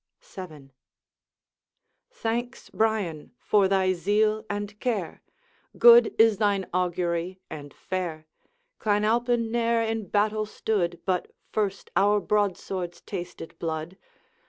VII. 'Thanks, Brian, for thy zeal and care! Good is thine augury, and fair. Clan Alpine ne'er in battle stood But first our broadswords tasted blood.